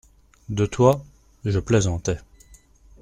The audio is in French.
De toi… je plaisantais.